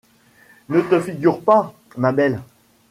Ne te figure pas, ma belle